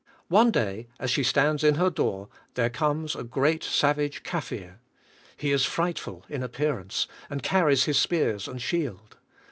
One da}^ as she stands in her door, there comes a great, sav age Kafir. He is frightful in appearance, and car ries his spears and shield.